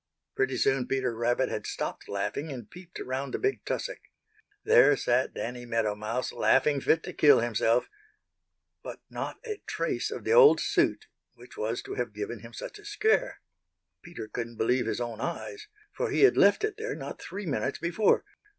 Pretty soon Peter Rabbit had stopped laughing and peeped around the big tussock. There sat Danny Meadow Mouse laughing fit to kill himself, but not a trace of the old suit which was to have given him such a scare. Peter couldn't believe his own eyes, for he had left it there not three minutes before.